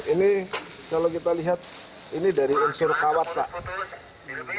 ini kalau kita lihat ini dari unsur kawat pak